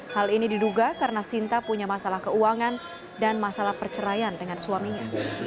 hal ini diduga karena sinta punya masalah keuangan dan masalah perceraian dengan suaminya